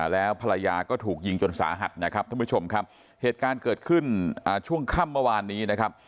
แล้วภรรยาก็ถูกยิงจนสาหัสนะครับท่านผู้ชมครับเหตุการณ์เกิดขึ้นช่วงค่ำเมื่อวานนี้นะครับ